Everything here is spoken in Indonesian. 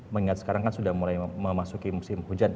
mengingat sekarang kan sudah mulai memasuki musim hujan